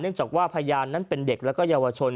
จากว่าพยานนั้นเป็นเด็กและเยาวชน